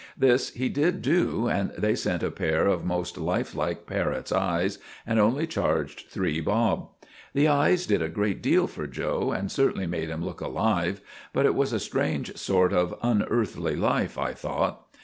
This he did do, and they sent a pair of most lifelike parrot's eyes, and only charged three bob. The eyes did a great deal for 'Joe,' and certainly made him look alive. But it was a strange sort of unearthly life, I thought.